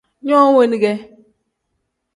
No weni ge.